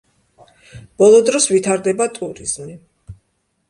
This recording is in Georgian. ბოლო დროს ვითარდება ტურიზმი.